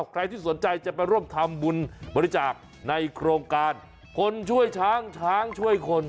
ใครที่สนใจจะไปร่วมทำบุญบริจาคในโครงการคนช่วยช้างช้างช่วยคน